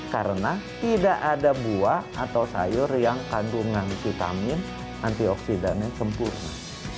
karena tidak ada buah atau sayur yang kandungan vitamin antioksidan yang sempurna